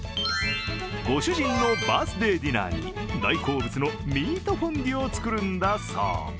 ご主人のバースデーディナーに大好物のミートフォンデュを作るんだそう。